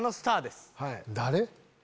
誰？